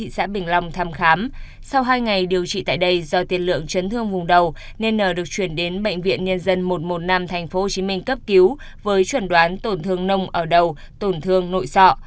sau hai ngày điều trị tại đây do tiền lượng chấn thương vùng đầu nên n được chuyển đến bệnh viện nhân dân một trăm một mươi năm tp hcm cấp cứu với chuẩn đoán tổn thương nông ở đầu tổn thương nội sọ